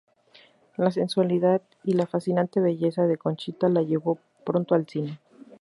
La sensualidad y la fascinante belleza de Conchita la llevó pronto al cine.